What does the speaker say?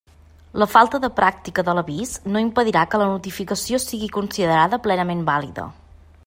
La falta de pràctica de l'avís no impedirà que la notificació siga considerada plenament vàlida.